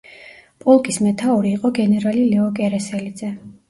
პოლკის მეთაური იყო გენერალი ლეო კერესელიძე.